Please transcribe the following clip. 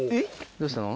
どうしたの？